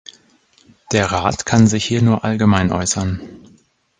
Der Rat kann sich hier nur allgemein äußern.